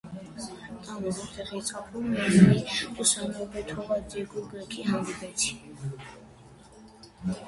Տանը, որտեղ ես ապրում էի, մի ուսանողի թողած երկու գրքի հանդիպեցի։